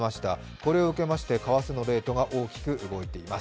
これを受けまして為替のレートが大きく動いています。